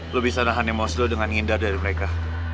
lo bisa nahan emos lo dengan ngindar dari mereka